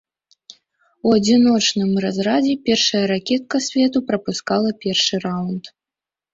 У адзіночным разрадзе першая ракетка свету прапускала першы раунд.